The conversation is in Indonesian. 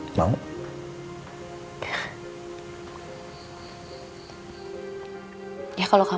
gimana kalo siang ini kita ketemu sama nailah